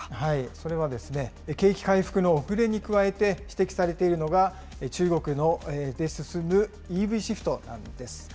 それはですね、景気回復の遅れに加えて、指摘されているのが、中国で進むＥＶシフトなんです。